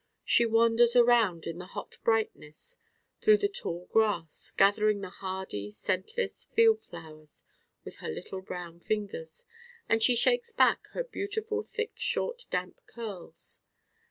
She wanders around in the hot brightness through the tall grass, gathering the hardy scentless field flowers with her little brown fingers, and she shakes back her beautiful thick short damp curls.